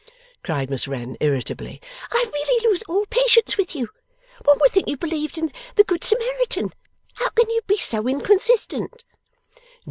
cried Miss Wren irritably, 'I really lose all patience with you. One would think you believed in the Good Samaritan. How can you be so inconsistent?